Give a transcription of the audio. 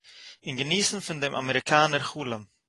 און געניסן פון דעם אַמעריקאַנער חלום